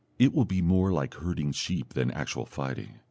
It will be more like herding sheep than actual fighting.